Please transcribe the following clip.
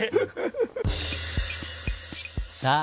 さあ